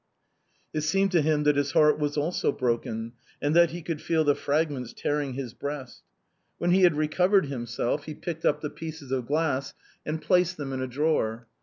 It seemed to him that his heart was also broken, and that he could feel the frag ments tearing his breast. When he had recovered him self, he picked up the pieces of glass and placed them in a drawer.